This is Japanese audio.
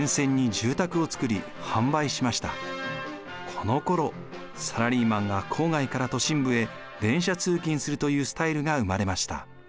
このころサラリーマンが郊外から都心部へ電車通勤するというスタイルが生まれました。